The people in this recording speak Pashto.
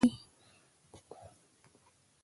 چې تاسو د تشویش، اندیښنې او ویرې لاندې وی.